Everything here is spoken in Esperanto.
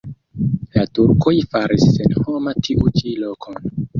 La turkoj faris senhoma tiu ĉi lokon.